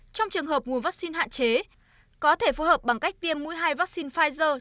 trong trường hợp nguồn vaccine hạn chế có thể phù hợp bằng cách tiêm mũi hai vaccine pfizer